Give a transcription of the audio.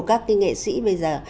các nghệ sĩ bây giờ